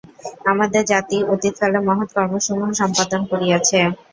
আমাদের জাতি অতীতকালে মহৎ কর্মসমূহ সম্পাদন করিয়াছে।